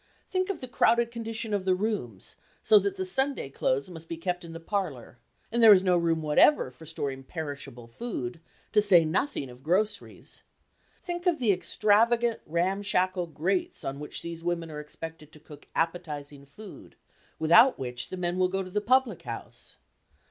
Think of the crowded condition of the rooms, so that the Sunday clothes must be kept in the parlour, and there is no room whatever for storing perishable food, to say nothing of groceries! Think of the extravagant, ramshackle grates on which these women are expected to cook appetising food, without which the men will go to the public house!